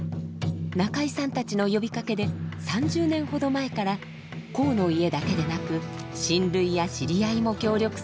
中井さんたちの呼びかけで３０年ほど前から講の家だけでなく親類や知り合いも協力するようになりました。